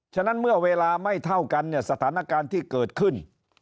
ฉะนั้นเมื่อเวลาไม่เท่ากันเนี่ยสถานการณ์ที่เกิดขึ้น